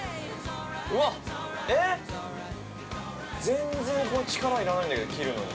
◆全然力いらないんだけど、切るの。